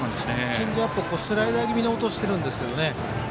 チェンジアップスライダー気味に落としてるんですけどね。